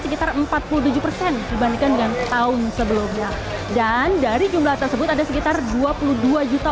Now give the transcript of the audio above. sekitar empat puluh tujuh persen dibandingkan dengan tahun sebelumnya dan dari jumlah tersebut ada sekitar dua puluh dua juta